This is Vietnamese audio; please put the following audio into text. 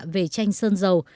về tranh sơn dầu